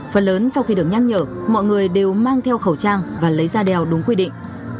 phần lớn sau khi được nhắc nhở mọi người đều mang theo khẩu trang và lấy ra đeo đúng quy định